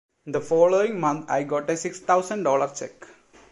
The following month I got a six thousand dollar cheque...